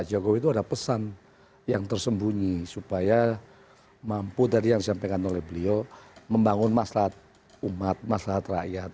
ke pak joko widodo ada pesan yang tersembunyi supaya mampu dari yang disampaikan oleh beliau membangun masalah umat masalah rakyat